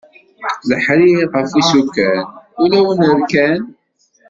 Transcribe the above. Leḥrir ɣef isukan ulawen rkan.